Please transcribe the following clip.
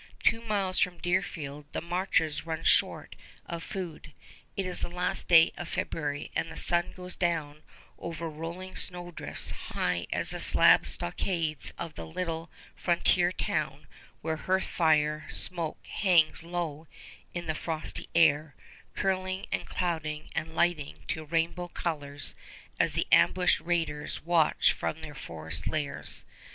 Two miles from Deerfield the marchers run short of food. It is the last day of February, and the sun goes down over rolling snowdrifts high as the slab stockades of the little frontier town whose hearth fire smoke hangs low in the frosty air, curling and clouding and lighting to rainbow colors as the ambushed raiders watch from their forest lairs.